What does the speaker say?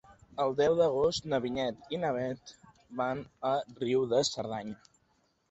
El deu d'agost na Vinyet i na Bet van a Riu de Cerdanya.